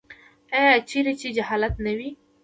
آیا چیرې چې جهالت نه وي؟